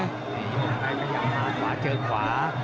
ขยับเข้าหมาขวาเจอขวา